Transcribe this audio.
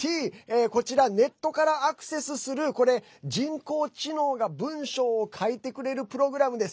こちら、ネットからアクセスする人工知能が文章を書いてくれるプログラムです。